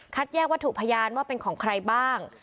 แยกวัตถุพยานว่าเป็นของใครบ้าง